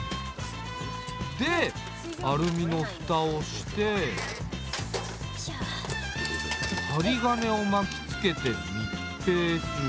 でアルミの蓋をして針金を巻きつけて密閉する。